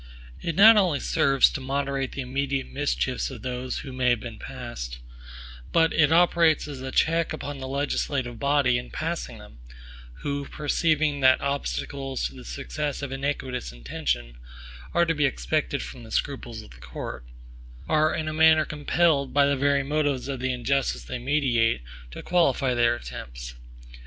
It not only serves to moderate the immediate mischiefs of those which may have been passed, but it operates as a check upon the legislative body in passing them; who, perceiving that obstacles to the success of iniquitous intention are to be expected from the scruples of the courts, are in a manner compelled, by the very motives of the injustice they meditate, to qualify their attempts.